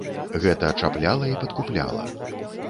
Гэта чапляла і падкупляла.